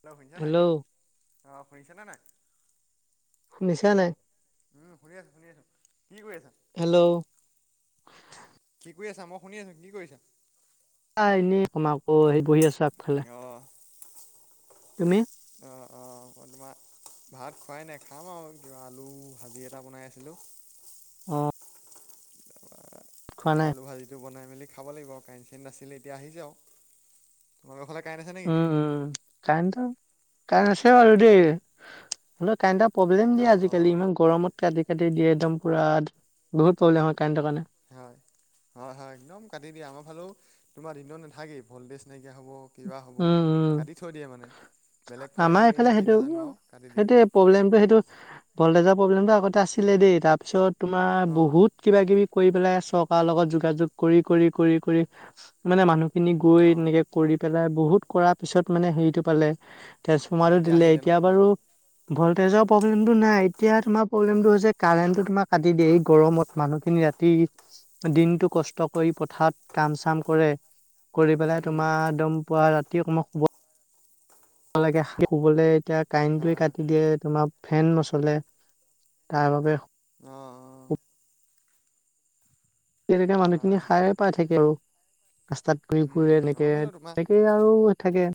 Hello শুনিছে নাই অ' শুনিছেনে নাই? নিছা নাই উম শুনি আছোঁ শুনি আছোঁ কি কৰি আছা হেল্ল'। কি কৰি আছা? মই শুনি আছো। কি কৰিছা? এনেই তোমাৰ আকৌ বহি আছো আগফালে। অঁ তুমি? অঁ অঁ মই তোমাৰ [inaudible] ভাত খোৱাই নাই খাম আৰু কিবা আলু ভাজি এটা বনাই আছিলো। অ'। খোৱা নাই? আলু ভাজিটো বনাই। ফেমেলি খাব লাগিব আৰু কাৰেণ্ট চাৰেণ্ট নাছিলে এতিয়া আহি যা আৰু তোমালোকৰ হলে। উম উম কাৰেন্টতো কাৰেন্ট আছেই অলৰেডি। প্ৰব্লেম দিয়ে অঁ আজিকালি অঁ ইমান গৰমত কাটি কাটি দিয়ে একদম পুৰা বহুত প্ৰব্লেম হয় কাৰেণ্টৰ কাৰণে। হয় হয় হয় একদম কাটি দিয়া আমাৰ ফালেও তোমাৰ দিনত নাথাকেই ভল্টেজ নাই। কিবা হব কিবা হব উম, উম। কাটি থৈ দিয়ে মানে। বেলেগ ফালে আমাৰ দিয়ে নে এইফালে কি সেইটো নাজানো আৰু কাটি দিয়ে সেইটো প্ৰব্লেমটো সেইটো। ভল্টেজৰ প্ৰব্লেমটো আগতে আছিলে দেই তাৰপিছত তোমাৰ অঁ বহুত কিবা কিবি। কৰি পেলাই চৰকাৰৰ লগত যোগাযোগ কৰি কৰি কৰি কৰি মানে মানুহ খিনি গৈ অঁ এনেকে। কৰি বহুত কৰাৰ পিছত মানে হেৰিটো পালে। অঁ তেজপমাৰো দিলে আহিলে ন এতিয়া বাৰু তোমালোকৰ ভল্টেজৰ প্ৰব্লেমটো নাই। এতিয়া তোমাৰ প্ৰব্লেমটো হৈছে কাৰেণ্টটো তোমাক কাটি দিয়ে এই গৰমত মানুহখিনি ৰাতি দিনটো কষ্ট কৰি পথাৰত কাম চাম কৰে কৰি পেলাই উম তোমাৰ একদম পুৱা ৰাতি শুব ভাগে শুবলৈ এতিয়া কাৰেণ্টোৱে হয় হয় কাটি দিয়ে তোমাক। ফেন নচলে তাৰ বাবে অ অ তেনেকে হয় মানুহখিনি হয় খায়ে পাই থাকে আৰু। ৰাস্তাত ঘুৰি উম ফুৰে উম এনেকে আমাৰ ফালেও তোমাৰ তেনেকেই আৰু থাকে।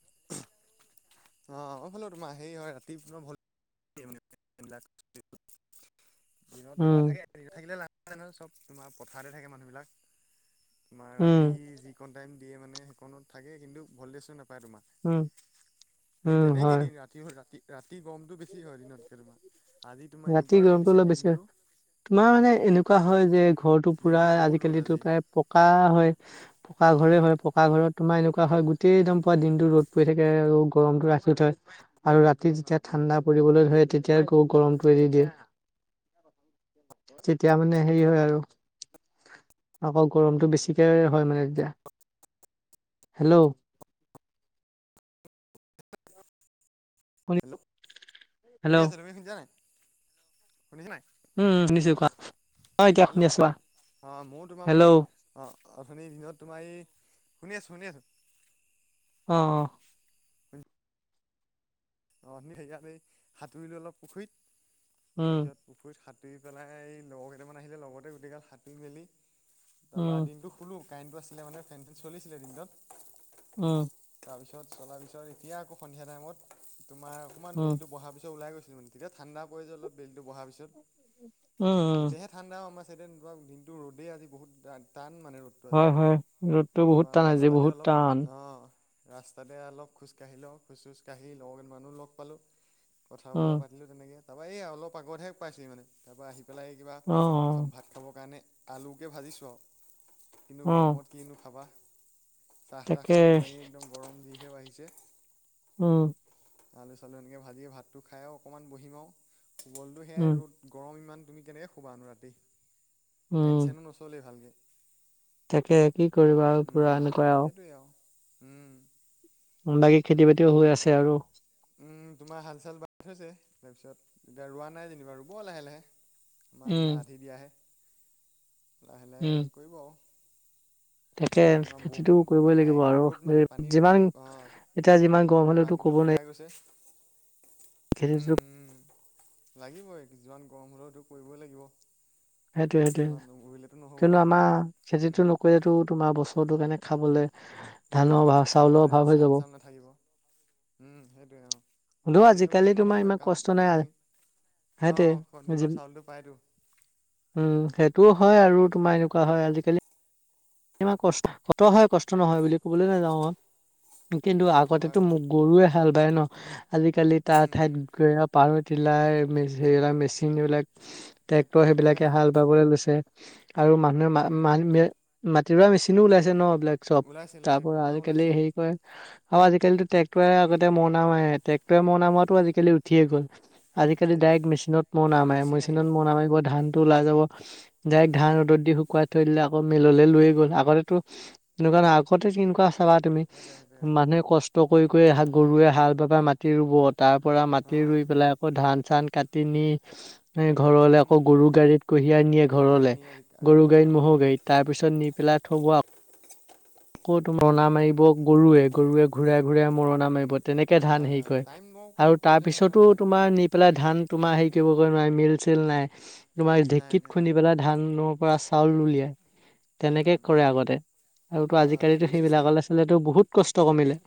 অ' অ' হলে তোমাৰ হেৰি হয় ৰাতি [unintelligible] [unintelligible] দিনত তোমাৰ উম থাকে দিনত থাকিলে নে নহয় চব তোমাৰ পথাৰতে থাকে মানুহবিলাক। তোমাৰ উম ৰাতি যিকণ টাইম দিয়ে মানে সেইখনত থাকে কিন্তু ভল্টেজো নাপায় তোমাৰ। উম। সেই উম হয় তেনেকেইদিন ৰাতি ৰাতি ৰাতি গমটো বেছি। কি হয় দিনতকে তোমাৰ আজি তোমাৰ ৰাতি এনেকুৱা ৰ'দ গৰমটো দিছে অলপ বেছি হয় দিনটো। তোমাৰ উম মানে দিন এনেকুৱা হয় যে ঘৰটো পুৰা দিনটো বহুত ৰ'দ আজিকালিটো আজি প্ৰায় পকা হয় পকা পকা উম ঘৰে হয় পকা ঘৰত তোমাৰ এনে হয় গোটেই দম পোৱা দিনটো ৰ'দ পৰি থাকে আৰু গৰমটো ৰাখি হয় আৰু ৰাতি যেতিয়া ঠাণ্ডা ফুৰিবলৈ ধৰে তেতিয়া আকৌ গৰমটোৱে এৰি দিয়ে। তেতিয়া মানে হেৰি হয় আৰু। আকৌ গৰমটো বেছিকে হয় মানে তেতিয়া। হেল্ল'। শুনি হেল্ল' শুনি হেল্ল' আছা তুমি শুনিছা নাই। শুনিছা নাই উম শুনিছো কোৱা। অ এতিয়া হেল্ল' শুনি আছো কোৱা অঁ ময়ো তোমাৰ হেল্ল' মানে অ অঁ আপুনি দিনত তোমাৰ এই। শুনি আছোঁ শুনি আছোঁ। অ' অ'। ন সেইকানে এই সাঁতুৰিলো অলপ পুখুৰীত উম তাৰপিছত পুখুৰীত সা সতুৰি পেলাই এই লগৰ কেইটামান আহিলে লগতে গোটেইকাল সাতুৰি মেলি তাৰপৰা উম দিনটো শুলো। কাৰেণ্টটো আছিলে মানে ফেনটো চলিছিলে দিনটোত। উম। তাৰ পিছত চলাৰ পিছত এতিয়া আকৌ সন্ধিয়া টাইমত তোমাৰ অকণমান উম বেলিতো বহাৰ পিছত ওলাই গৈছো। তেতিয়া ঠাণ্ডা পৰি যে অলপ বেলিটো বহাৰ পিছত। উম, উম। তেতিয়াহে [unintelligible] দিনটো ৰ'দেই আজি বহুত টান। মানে ৰ'দটো আজি হয়, হয় ৰ'দটো বহুত তাৰপৰা টান আজি ৰাস্তাতে বহুত অলপ টান। অঁ ৰাস্তাতে অলপ খোজ কাঢ়ি লওঁ খোজ-চোজ কাঢ়ি [unintelligible] মানুহ লগ পালো। কথা উম বতৰা পাতিলো তেনেকে তাৰপা এই অলপ আগতহে পাইছোহি মানে তাৰপৰা আহি। পেলাই কিবা অ', অ', ভাত খাবৰ কাৰণে আলুকে ভাজিছো আৰু। কিন্তু অ', গৰমত কিনো খাবা। চাহ তাহ তাকে খাব নোৱাৰি একদম গৰম যিহে বাঢ়িছে। উম। আলু-চালু এনেকে ভাজি ভাতটো খাইও অকণমান বহিম আৰু শুবলৈটো সেয়াই উম, ৰ'দ গৰম ইমান। তুমি কেনেকৈ শুবানো ৰাতি উম, ফেন-চেনো নচলেই ভালকে। তাকে কি কৰিবা আৰু পুৰা এনেকুৱাই আৰু। উম। [unintelligible] খেতি-বাতিও হৈ আছে আৰু। উম, তোমাৰ হাল চাল বাই থৈছে তাৰপিছত এতিয়া ৰোৱা নাই যেনিবা ৰুৱ লাহে লাহে। আমাৰ উম, তোমাৰ আধি দিয়াহে। লাহে লাহে উম, কৰিব আৰু। তাকে এতিয়া তোমাৰ খেতিটো বৰষুণটো ইমান কৰিবই নাই লাগিব এইকেইদিন আৰু ৰ'দ মানে সেই পানী যিমান। অ' এতিয়া যিমান গৰম হ'লেতো পানীটো ক'ব নোৱাৰি। শুকাই গৈছে খেলিছো। [inaudible] কিছুমান গৰম হলেওটো কৰিবই লাগিব। সেইটোয়ে সেইটোয়ে তোমাৰ নকৰিলেতো নহ'ব ন কিয়নো আমাৰ উম, খেতিটো নকৰিলেতো তোমাৰ বস্তু। [inaudible] কিনে খাবলৈ ধানৰ অভাৱ চাউলৰ খাবলৈ অভাৱ হৈ ধান যাব। চান নাথাকিব। উম, সেইটোৱে আৰু হ'লেও খেতি আজিকালি নকৰিলে তোমাৰ নহ'ব ইমান কাৰণ কষ্ট নাই উম। অ, সেইটোৱে কন্ট্ৰলৰ যি- চাউলটো পাইতো। উম, সেইটোও হয় আৰু তোমাৰ এনেকুৱা হয় আজিকালি। ইমান কষ্ট কষ্ট হয় কষ্ট নহয় বুলি কবলৈ নাযাওঁ মই। কিন্তু হয়, আগতেতো হয়। মোক গৰুৱে হাল বায় ন'। আজিকালি তাৰ উম, উম ঠাইত গৈ পাৱাৰ টিলাৰ মেচিন সেইবিলাক মেচিন এইবলাক। ট্ৰেক্টৰ এইবিলাক সেইবিলাকে আহিলে হাল বাবলৈ লৈছে আৰু মানুহে মা উম, মানু। [unintelligible] মাটি ৰুৱা মেচিনো ওলাইছে নহ এইবিলাক চব ওলাইছে ওলাইছে তাৰপৰা কটাও আজিকালি ওলাইছে। হেৰি কৰে। আৰু আজিকালিটো ট্ৰেক্টৰে আগতে মৰণা মাৰে, ট্ৰেক্টৰে মৰণা মৰাতো আজিকালি উঠিয়ে গ'ল। আজিকালি উঠিয়ে গৈছে ডাইৰেক্ট মেচিনত মৰনা মাৰে মেচিন মেচিনত আহিলে মৰনা মাৰিব ধানটো ওলাই যাব। ডাইৰেক্ট উম ধান ৰ'দত দি শুকুৱাই থৈ দিলে আকৌ। মিললে লৈয়ে গ'ল আগতেটো এনেকুৱা নহয়, আগতে কেনেকুৱা চাবা তুমি সেইটোৱে সেইটোৱে অ মানুহে কষ্ট। কৰি কৰি গৰুৱে হাল বাৱ মাটি ৰুব তাৰ পৰা মাটি অ ৰুই পেলাই আকৌ ধান-চান। কাটি নি। এই ঘৰলে আকৌ উম গৰুৰ গাড়ীত কঢ়িয়াই নিয়ে গৰু গাড়ীত ঘৰলে, নিয়ে আজি গৰুৰ আগতে অ গাড়ীত ম'হৰ গাড়ীত। তাৰপিছত নি পেলাই থৱ। [inaudible] আকৌ তোমাৰ মৰণা উম মাৰিব গৰুৱে, গৰুৱে ঘূৰাই ঘূৰাই মৰণা মাৰিব তেনেকে ধান হয় হেৰি হয় কৰে। টাইম মোক বহুত আৰু প্ৰয়োজন হয় নহয় তাৰপিছতো তেতিয়া তোমাৰ নি পেলাই। ধান তোমাৰ হেৰি কৰিব নোৱাৰে মিল-চিল নাই তোমাৰ নাই ঢেঁকীত নাই খুন্দি পেলাই ধান। ধানৰ পৰা চাউল উলিয়াই। উম তেনেকে কৰে আগতে আৰু ত' হয় হয় সেইটো আজিকালিতো ছিষ্টেম সেইবিলাকলে চালে টো বহুত। কষ্ট কমিলে।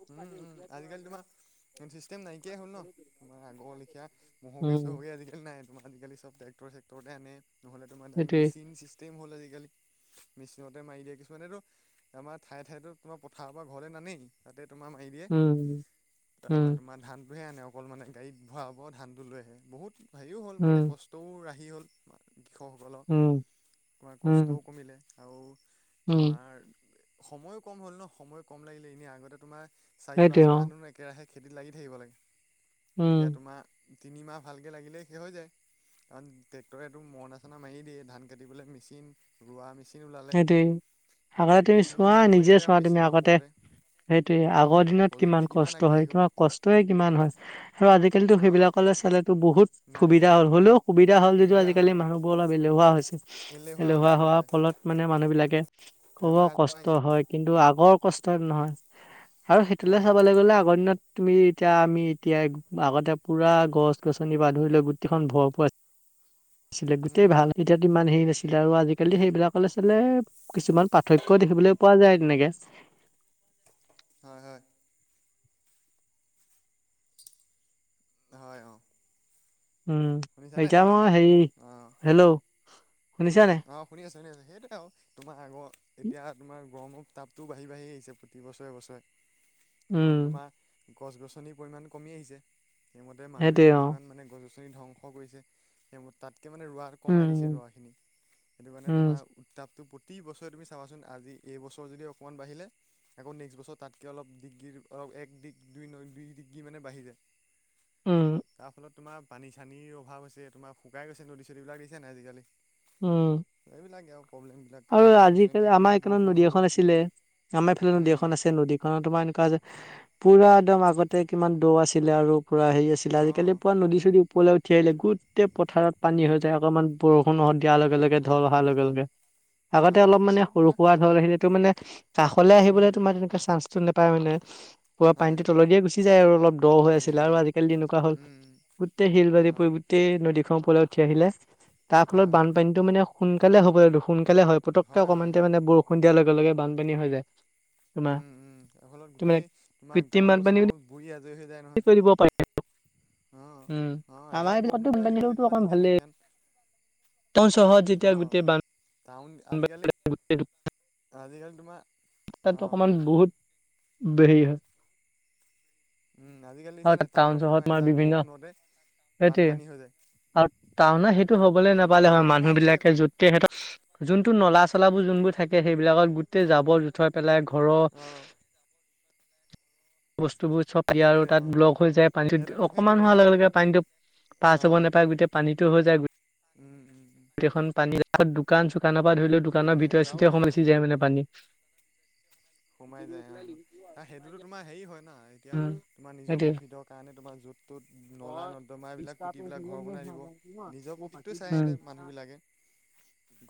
[unintelligible] চিষ্টেম নাইকিয়াই হ'ল নহ তোমাৰ আগৰ লেখীয়া ম'হৰ গাড়ী উম চহৰ গাড়ী আজিকালি নাই। তোমাৰ আজিকালি চব ট্ৰেক্টৰ চেক্টৰতে আনে নহলে তোমাৰ ডাইৰেক্ট সেইটোৱে মেচিন চিষ্টেম হ'ল আজিকালি। মেচিনতে মাৰি দিয়ে কিছুমানেতো আমাৰ ঠায়ে ঠায়েতো তোমাৰ পথাৰৰ পৰা ঘৰলে নানেই। তাতে তোমাৰ মাৰি দিয়ে, উম উম তাৰপৰা তোমাৰ ধান। ধানটোহে আনে অকল মানে গাড়ীত ভৰাব ধানটো লৈ আহে বহুত হেৰিও হ'ল উম মানে কষ্টও ৰাহি। হি হ'ল কৃষকসকলৰ উম তোমাৰ উম কষ্টও কমিলে আৰু। উম তোমাৰ সময়ো কম হ'ল নহ সময় কম লাগিলে এনেই আগতে তোমাৰ। চাৰি সেইটোৱে পাঁচ অ মাহ একেৰাহে খেতিত লাগি থাকিব লাগে উম এতিয়া তোমাৰ। তিনিমাহ ভালকৈ লাগিলেই শেষ হৈ যায়। কাৰণ ট্ৰেক্টৰেটো মৰণা চৰণা মাৰি দিয়ে ধান কাটিবলে মেচিন ৰোৱা মেচিন। ওলালে সেইটোৱে আগতে তুমি গোটেইখিনি চোৱা তোমাৰ হৈয়ে নিজে যায় আৰু চোৱা তুমি মেচিনৰ আগতে ওপৰতে সেইটোৱে। আগৰ উম দিনত কিমান প্ৰযুক্তি কষ্ট হয় আগবাঢ়ি গ'ল তোমাৰ কষ্টয়ে কিমান হয় আৰু আজিকালি অ সেইবিলাকলৈ চালেতো। বহুত নাই সুবিধা নাই হ'ল হ'লেও সুবিধ। এতিয়া হ'ল যদিটো সুবিধা আজিকালি হ'ল অ মানুহবোৰ অলপ এলেহুৱা হৈছে এলেহুৱা হৈছে হোৱাৰ হয় ফলত। মানে মানুহবিলাকে ক'ব বেমাৰ আজাৰ কষ্ট আহিছে হয় কিন্তু আগৰ কষ্ট নহয়। আৰু সেইটোলৈ হয় হয় চাবলৈ গ'লে আগৰ দিনত। তুমি এতিয়া আমি এতিয়া আগতে পুৰা গছ-গছনি ধুৰি লৈ গোটেইখন ভৰপুৰ। আছিলে গোটেই উম ভাল এতিয়াতো ইমান হেৰি নাছিলে আৰু আজিকালি উম সেইবিলাক। আছিলে কিছুমান পাৰ্থক্য দেখিবলৈ পোৱা যায় তেনেকে। হয় হয়। হয় অঁ। উম এতিয়া মই হে হেল্ল' অ শুনিছা নাই অ শুনি আছো শুনি আছো সেইটোৱে আৰু তোমাৰ আগৰ এতিয়া তোমাৰ গৰমত দামটো বাঢ়ি বাঢ়ি আহিছে প্ৰতি বছৰে বছৰে কাৰণ উম তোমাৰ- গছ গছনিৰ পৰিমাণ কমি আহিছে সেইমতে মানুহে সেইটোৱে অ যিমান মানে গছ গছনি ৰ ধ্বংস কৰিছে সেইবোৰ তাত- এতিয়া মানে ৰোৱা কমাই দিছে উম ৰোৱাখিনি সেইটো কাৰণে উম তোমাৰ উত্তাপটো। প্ৰতি বছৰে তুমি চাবাচোন আজি এইবছৰ যদি অকণমান বাঢ়িলে আকৌ নেক্সট বছৰ তাতকৈ অলপ ডিগ্ৰী অলপ। এক দিগ দুই দুই ডিগ্ৰী মানে বাঢ়ি যায়। উম তাৰ ফলত তোমাৰ পানী চানীৰ অভাৱ হৈছে তোমাৰ শুকাই গৈছে নদী চদীবিলাক দেখিছা নে নাই আজিকালি। উম এইবিলাকে। [unintelligible] আৰু আজিকালি আমাৰ [unintelligible] নদী হ'ব এখন আছিলে আমাৰ এইফালে নদী এখন উম আছে নদীখনত তোমাৰ এনেকুৱা যে। পুৰা একদম আগতে কিমান দ আছিলে আৰু পুৰা হেৰি আছিলে অঁ আজিকালি পুৰা নদী চদী ওপৰলৈ উঠিয় আহিলে। গোটেই পথাৰত পানী হৈ উম যায় অকমান বৰষুণ দিয়াৰ লগে লগে বৰষুণ ঢল অহাৰ হ'লে লগে হয় লগে। আগতে হয় অলপ হয় মানে এইটো সৰু তোমাৰ সুৰা ঢল আহিলে তো মানে কাষলৈ আহিবলে উম তোমাৰ তেনেকুৱে চান্সটো নাপায়- তাৰ মানে পুৰা হয় পানীটো তল দিয়ে গুচি যায় আৰু অলপ দৰ হৈ গুচি আছিলে আৰু যায় আজিকালি যেনেকুৱা হ'ল উম গোটেই শিল বাৰী হয় পৰি গোটেই নদী প উঠি আহিলে তাৰ ফলত হয় হয় বানপানীতো তোমাৰ মানে সোনকালে হ'ব আৰু দুখ হয় পুটুককে হয় অকণমানতে হয় মানে বৰষুণ দিয়াৰ লগে লগে বানপানী হৈ যায়। তোমাৰ উম উম য়া ফলত তোমাৰ গোটেই তোমাৰ গাঁও চাও বুৰি আ কি কৰিব পাৰি অঁ উম, অঁ আমাৰ এজাক এইবিলাকতো বৰষুণতে বানপানীতো আজিকালি তোমাৰ অকমান নিছে নাই ভালেই জ্ঞান টাউন চহৰত যেতিয়া গোটেই টাউন আজিকালি বান আজিকালি তোমা তাত অকণমান বহুত হেৰি হয় উম আজিকালিছে নাই টাউনত তোমাৰ এজাক বৌষ নদ সেইটোয়ে আৰু তটাউনা সেইটো হবলৈ উম নাপালে হয় সেইটো মানুহ তোমাৰ হেৰি বিলাকে আকৌ যতে সিহঁত যোনটো নলা চলাবোৰ যোনবোৰ থাকে সেইবিলাকত গোটেই জাবৰ জোথৰ পেলাই ঘৰ অ বস্তুবোৰ চব ইয়াৰ সেইটোৱে তাত অ ব্লক হৈ যায় পানীতো সেইটোতো সেইটোৱে অকমান হোৱাৰ তোমাৰ লগে লগে পানীতটো পাছ অ হ'ব নাপায় গোটেই পানীতটো হৈ যায় উম উম উম গোটেইখন পানীৰত দোকান চুোকানৰ পৰা ধৰি লও অ দোকানৰ ভিতৰ সেইটোৱে আৰু চিতিতে সেইটো সমাইছি যায় মানে পানী সোমাই যায় অ সেইটোতো তোমাৰ হেৰি হয় না এতিয়া উম, তোমাৰ নিজৰ সেইটোৱে। প্ৰফিটৰ কাৰণে তোমাৰ য'ত ত'ত নলা মই নৰ্দমা এইবিলাক বিশটা পেজ পুতিবেলাক হলেও ঘৰ মই বনাই দিব নিজৰ প্ৰকৃৃতটো বাকী চাই দুটা সিহতে মানুহবিলাকে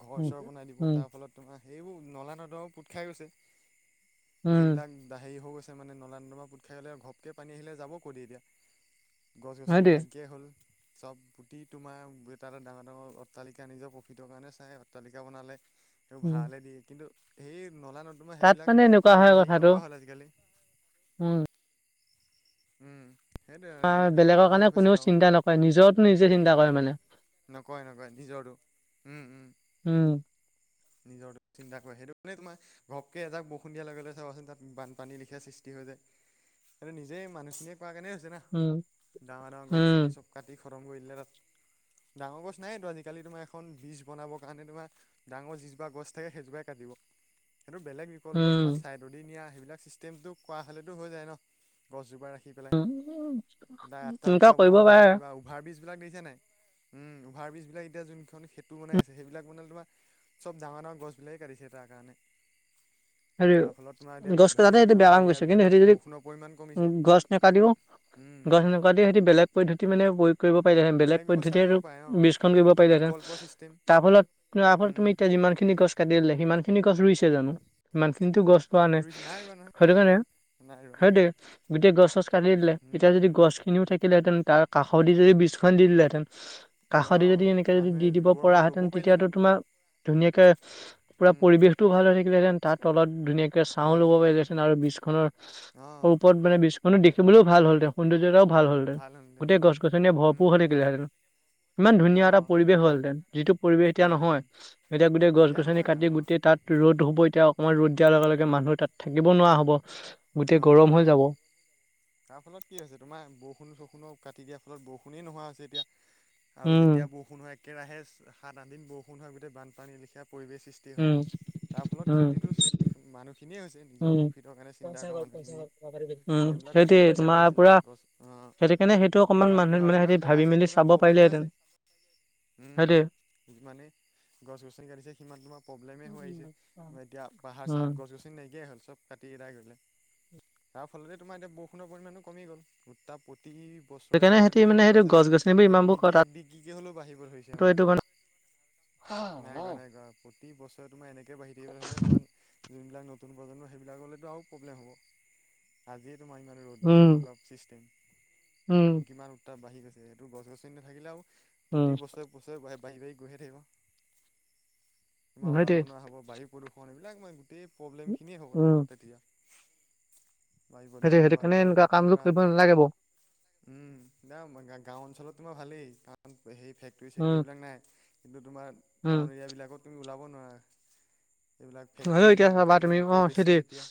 ঘৰ উম, চৰ যে বনাই দিব উম, তাৰ ফলত তোমাৰ সেইবোৰ নলা নদৰ পু খাই গৈছে উম, যিবিলাক দ হেৰি হৈ গৈছে মানে নলা নৰ্দমা পোট খাই গলে ঘপকৈ পানী আহিলে যাব ক'ত এতিয়া গছ গছনি সেইটোৱে নাইকিয়াই হ'ল চব পুতি তোমাৰ এটা এটা ডাঙৰ ডাঙৰ অট্টালিকা নিজৰ প্ৰফিটৰ কাৰণে চাই অট্টালিকা বনালে তেওঁ উম, ভাড়ালে দিয়ে কিন্তু সেই নলা নৰ্দমা সেইবিলাক [unintelligible] এনেকুৱা তোমাৰ হয় হেৰি কথাটো নকৰা হ'ল আজিকালি উম উম সেইটোৱে আৰু [unintelligible] তেনেকেই বেলেগৰ হেৰি কাৰণে হৈছে কোনেও আৰু চিন্তা নকৰে নিজৰটো নিজে চিন্তা কৰে মানে নকয় নকয় নিজৰো উম উম উম, নিজৰটো চিন্তা কৰে সেইটো কাৰণে তোমাৰ ঘপকে এজাক বহৰষুণ দিয়াৰ লগে লগে চাবাচোন তাত বানপানী লিখা সৃষ্টি হয় [unintelligible] নিজে মানুহখিনিয়ে কৰা কাৰণে হৈছে না উম, ডাঙৰ ডাঙৰ উম, গছনি চব কাটি [inaudible] ডাঙৰ গছ নাইয়েটো আজিকালি তোমাৰ এখন বীজ বনাব কাৰণে তোমাৰ ডাঙৰ [unintelligible] গছ চাগে সেইজোপাই কাটিব। সেইটো বেলেগ বিকল্প উম, তোমাৰ চাই দুদিনীয়া, এই বিলাক চিষ্টেমটো কৰা হ'লেতো হৈ যায় ন, গছজোপাৰে [unintelligible] উম, এটা উম, তেনেকুৱা অট্টালিকা কৰিব বনায় হওক পাৰে কিবা অভাৱ ব্ৰীজ বিলাক দেখিছা নাই? উম অভাৰ ব্ৰীজ বিলাক এতিয়া যোনখন সেতু বনাই আছে সেইবিলাক বনালে তোমাৰ চব ডাঙৰ ডাঙৰ গছবিলাকে কাটিছে তাৰ কাৰণে। [inaudible] হেৰি তাৰ ফলত তোমাৰ এতিয়া গছ কটাটো হেৰিয়াত সেইটো টাউন বেয়া কাম কৰিছে, কিন্তু এৰিয়াবিলাকত হেৰি যদি বৰষুণৰ পৰিমাণ উ কমিছে। গছ নেকাটিও উম, গছ নেকাটি সেতি বেলেগ পদ্ধতি মানে প্ৰয়োগ কৰিব পাৰিলে হেতেন, বেলেগ ব্যৱস্থা পদ্ধতিৰো কৰিব পাৰে অ'। ব্ৰীজখন দিব পাৰিলে হেতেন। বিকল্প ছিষ্টেম তাৰ ফলত তাৰ ফলত উম, তুমি এতিয়া যিমান খিনি গছ কাটি দিলে, সিমান খিনি গছ ৰুইছে জানো। সিমানখিনিতো গছ ৰোৱা নাই ৰুইছে ৰোৱা নহয়, সেইটো কাৰণে নাই ৰোৱা সেইটোৱে গোটেই গছ ঠছ কাটি দিলে, উম। এতিয়া যদি গছখিনিও থাকে। থাকিলে হেতেন তাৰ কাষৰ দি যদি বিছখন দি দিলেঁ হেতেন, কাখে দি যদি অ' এনেকে যদি মানুহে দি দিব পৰা গৰমত হেতেন, ৰ'বও তেতিয়াটো পাৰিলেহেঁতেন, তোমাৰ ধুনীয়াকে পুৰা উম, পৰিবেশটোও ভাল হৈ থাকিলেহেতেন তাৰ তলত ধুনীয়াকে চাওঁ হয়, ল'ব পাৰিলেহেঁতেন আৰু বীজ খনৰ, অ' ওপৰত মানে বিজখনো দেখিবলৈও ভাল হ'লহেতেন। সৌন্দৰ্যত ভাল হল হেতেন গোটেই গছ গছনিয়ে উম, ভৰপূৰ হৈ এতিয়া থাকিলে হেতেন। ইমান ধুনীয়া এটা অ' পৰিৱেশ কিমান হ'লহেতেন যিটো পৰিৱেশ এতিয়া নহয়। হ'লহেঁতেন, এতিয়া গোটেই গছ গছনি নহয় আৰু কাটি অ' গোটেই তাত ৰ'দ হ'ব এতিয়া অকমান ৰ'দ দিয়াৰ লগে লগে মানুহ তাত থাকিব নোৱাৰা হ'ব। গোটেই [unintelligible] হ'ব গৰম হৈ অঁ, যাব তাৰ ফলত কি হৈছে তোমাৰ বৰষুণ চৰষুণো কাটি দিয়া ফলত বৰষুণেই নোহোৱা হৈছে এতিয়া, আৰু যেতিয়া উম, বৰষুণ হয় একেৰাহে সাত আঠ দিন বৰষুণ হয় গোটেই বানপানী লেখীয়া পৰিৱেশ সৃষ্টি হয় উম, তাৰ ফলত উম, ক্ষতিটো [unintelligible] মানুহখিনিয়ে হৈছে নিজৰ প্ৰফিটৰ কাৰণে [unintelligible] উ চিন্তা কৰা মানুহখিনি। সেইবিলাক সেইটোৱে চকু দিব তোমাৰ লাগিছিলে পোৰা গছ অ' সেইটো কাৰণে সেইটো অকমান দোকান মানুহে পোহাৰ মানে যিমান সিহঁতি ভাবি বঢ়াইছে মেলি সিমান চাব প্ৰব্লেমেই পাৰিলেহেঁতেন। হৈছে। উম, সেইটোৱে। যিমানে গছ গছনি কাটিছে। সিমান তোমাৰ প্ৰব্লেমে হৈ আহিছে, এতিয়া পাহাৰ চাহৰত উম, গছ গছনি নাইকিয়াই হ'ল চব কাটি এদাই কৰিলে। তাৰ ফলতে তোমাৰ এতিয়া বৰষূণৰ পৰিমানো কমি গ'ল, উত্তাপ প্ৰতি বছৰে সেইকাৰণে তোমাৰ সিহঁতি মানে দেখিবলৈ সেইটো পাইছে যে, গছ গছনিবোৰ এক ইমানবোৰ ডিগ্ৰী, এক কটাটো ডিগ্ৰীকে হলেও বাঢ়িব ধৰিছে মানে। [inaudible] নাই কৰা, নাই কৰা, প্ৰতি বছ তোমাৰ এনেকে বাঢ়ি থাকিবলৈ হ'লে, তোমাৰ যোনবিলাক নতুন প্ৰজন্ম সেইবিলাকলৈতো আৰু প্ৰব্লেম হ'ব আজিয়ে তোমাৰ ইমান ৰ'দ, উম, তেনেকুৱা ছিষ্টেম। উম, কিমান উত্তাপ বাঢ়ি গৈছে, এইটো গছ গছনি নাথাকিলে আৰু প্ৰতি উম, বছৰে বছৰে বাঢ়ি বাঢ়ি গৈ়হে থাকিব, তোমাৰ ওলাব সেইটোৱে। নোৱাৰা হ'ব, বায়ু প্ৰদূষণ, এইবিলাক মই গোটেই পব্লেমখিনিয়ে হ'ব উম, তোমাৰ তেতিয়া। বায়ু সেইটো প্ৰদূষণৰ সেইটো পৰা কাৰণে ধৰি এনেকুৱা মাটিৰ কামবোৰ পৰা কৰিব নালাগে বাও। উম' গাওঁ অঞ্চলত তোমাৰ ভালেই কাৰণ সেই ফেক্টৰী উম, ছেক্টৰিবিলাক নাই, কিন্তু তোমাৰ উম, টাউন এৰিয়াবিলাকত তুমি ওলাব নোৱাৰা এইবিলাক হ'লেও ফেক্টৰী এতিয়া চাবা গাড়ী তুমি অ' মটৰ বেছি সেইটোৱে। যেতিয়া।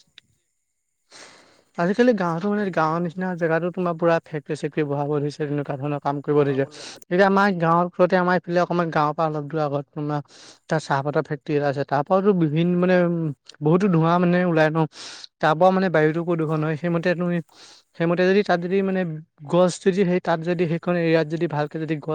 আজিকালি গাওঁটো মানে, সেইটোৱে গাওঁ অ নিচিনা জেগাতো তোমাৰ ফেক্টৰী ছেক্টৰি বহাব ধৰিছে। কাফণৰ কাম কৰিব ধৰিছে, বহুৱাবলৈ এতিয়া আমাৰ গাঁৱৰ ওচৰতে আমাৰ এইফালে অকণমান গাঁৱৰ পা অলপ দূৰ আগত তোমাৰ তাত চাহপাতৰ ফেক্টৰী এটা আছে, তাৰ পাওঁটো ভিন মানে উম বহুতো ধোৱা মানে ওলাই ন, তাৰ পাওঁ মানে বায়ুতো প্ৰদূষণ অ হয়, সেইমতে তুমি সেইমতে যদি তাত যদি, মানে গছ যদি, সেই তাত যদি, সেইখন এৰিয়াত যদি, ভালকে যদি গছ